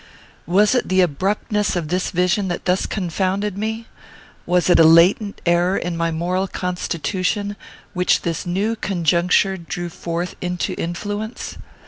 Was it the abruptness of this vision that thus confounded me? was it a latent error in my moral constitution, which this new conjuncture drew forth into influence?